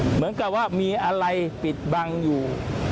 เหมือนกับว่ามีอะไรปิดบังอยู่